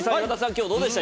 今日、どうでした？